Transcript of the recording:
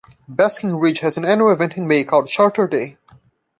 Basking Ridge has an annual event in May called Charter Day.